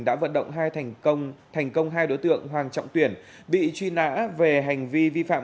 đã vận động hai đối tượng hoàng trọng tuyển bị truy nã về hành vi vi phạm